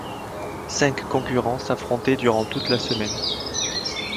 Cinq concurrents s'affrontaient durant toute la semaine.